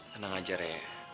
tenang aja rere